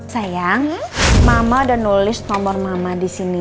sayang mama udah nulis nomor mama disini